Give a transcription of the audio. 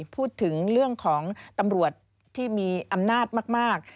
พูดถึงเรื่องของตำรวจที่มีอำนาจมาก